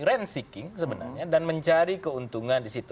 rent seeking sebenarnya dan mencari keuntungan di situ